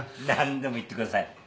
何でも言ってください。